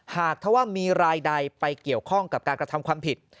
หากถ้าว่ามีรายใดไปเกี่ยวข้องกับการกระทำความผิด